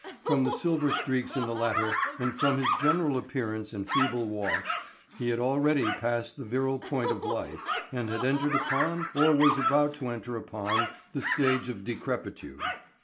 From the silver streaks in the latter, and from his general appearance and feeble walk, he had already passed the virile point of life and had entered upon, or was about to enter upon, the stage of decrepitude.